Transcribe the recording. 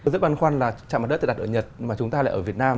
rất băn khoăn là trạm bắt đất được đặt ở nhật mà chúng ta lại ở việt nam